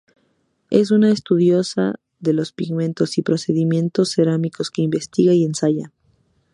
Es una estudiosa de los pigmentos y procedimientos cerámicos que investiga y ensaya.